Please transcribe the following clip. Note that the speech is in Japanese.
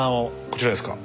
こちらですか？